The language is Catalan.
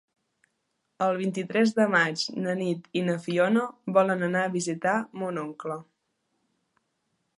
El vint-i-tres de maig na Nit i na Fiona volen anar a visitar mon oncle.